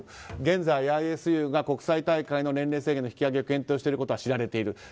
現在、ＩＳＵが国際大会の年齢制限を検討していることは知られている。